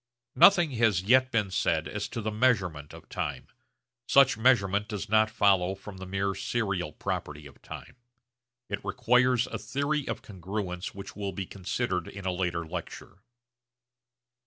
Nothing has yet been said as to the measurement of time. Such measurement does not follow from the mere serial property of time; it requires a theory of congruence which will be considered in a later lecture.